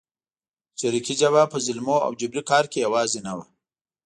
چریکي جبهه په ظلمونو او جبري کار کې یوازې نه وه.